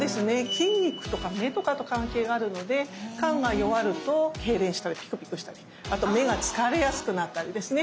筋肉とか目とかと関係があるので肝が弱るとけいれんしたりピクピクしたりあと目が疲れやすくなったりですね